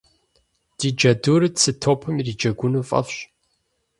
Ди джэдур цы топым ириджэгуну фӏэфӏщ.